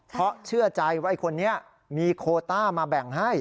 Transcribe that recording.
เพราะเชื่อใจว่าไอ้คนนี้มีโคต้ามาแบ่งให้